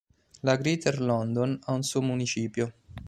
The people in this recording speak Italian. La Greater London ha un suo municipio.